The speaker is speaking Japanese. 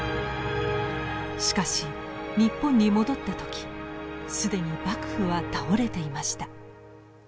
しかし日本に戻った時既に幕府は倒れていました。